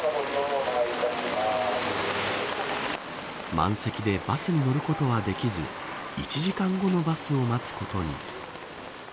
満席でバスに乗ることはできず１時間後のバスを待つことに。